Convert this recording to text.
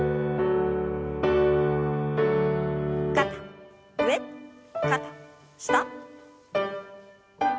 肩上肩下。